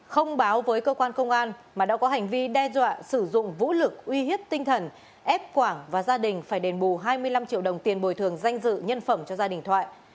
không báo với cơ quan công an mà đã có hành vi đe dọa sử dụng vũ lực uy hiếp tinh thần ép quảng và gia đình phải đền bù hai mươi năm triệu đồng tiền bồi thường danh dự nhân phẩm cho gia đình thoại